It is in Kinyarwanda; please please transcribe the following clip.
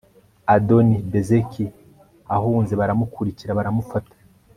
adoni-bezeki ahunze baramukurikira baramufata